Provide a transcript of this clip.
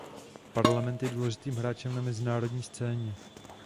Parlament je důležitým hráčem na mezinárodní scéně.